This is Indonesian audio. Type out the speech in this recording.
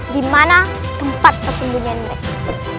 dimana tempat kesembunyian mereka